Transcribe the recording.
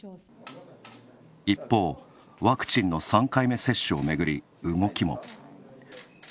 一方、ワクチンの３回目接種をめぐり動きも。